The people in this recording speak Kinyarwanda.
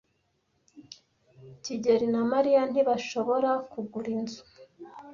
kigeli na Mariya ntibashobora kugura inzu.